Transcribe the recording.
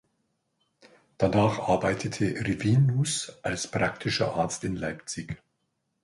Danach arbeitete Rivinus als praktischer Arzt in Leipzig.